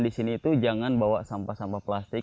di sini itu jangan bawa sampah sampah plastik